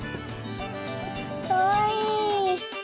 かわいい。